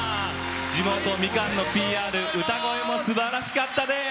地元、みかんのＰＲ歌声もすばらしかったです。